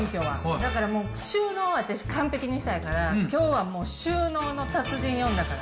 だからもう収納を私、完璧にしたいから、きょうはもう収納の達人呼んだから。